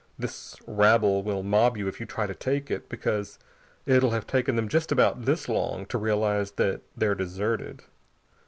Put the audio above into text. This rabble will mob you if you try to take it, because it'll have taken them just about this long to realize that they're deserted.